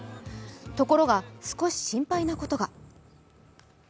ところが少し心配なことが。